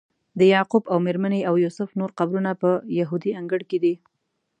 د یعقوب او میرمنې او یوسف نور قبرونه په یهودي انګړ کې دي.